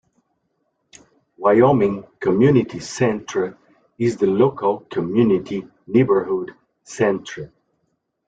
Wyoming Community Centre is the Local Community Neighbourhood Centre.